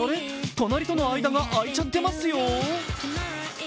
隣との間が空いちゃってますよ。